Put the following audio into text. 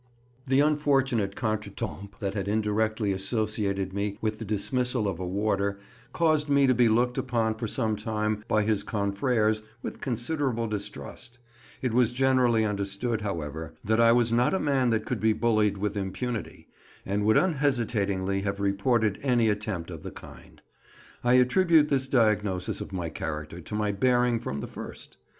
THE unfortunate contretemps that had indirectly associated me with the dismissal of a warder caused me to be looked upon for some time by his confrères with considerable distrust; it was generally understood, however, that I was not a man that could be bullied with impunity, and would unhesitatingly have reported any attempt of the kind. I attribute this diagnosis of my character to my bearing from the first.